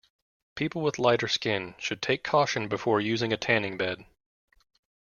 People with lighter skin should take caution before using a tanning bed.